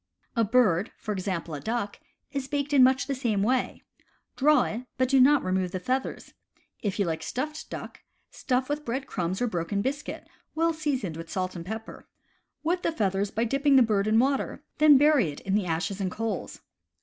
A bird, for example a duck, is baked in much the same way. Draw it, but do not remove the feathers. If you like stuffed duck, stuff with bread crumbs or broken biscuit, well seasoned with salt and pepper. Wet the feathers by dipping the bird in water; then bury it in the ashes and coals.